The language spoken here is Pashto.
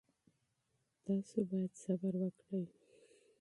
تاسو باید صبر وکړئ.